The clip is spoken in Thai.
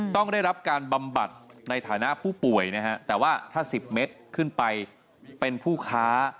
ต้องได้รับการบำบัดในฐานะผู้ป่วยนะฮะแต่ว่าถ้า๑๐เมตรขึ้นไปเป็นผู้ค้า